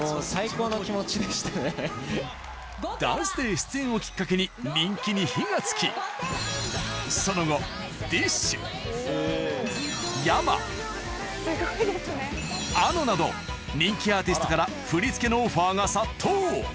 『ＤＡＮＣＥＤＡＹ』出演をきっかけに人気に火が付きその後ＤＩＳＨ／／ｙａｍａａｎｏなど人気アーティストから振り付けのオファーが殺到